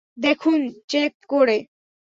দেখুন চেক করে!